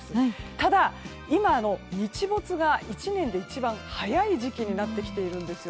ただ、今は日没が１年で一番早い時期になってきているんです。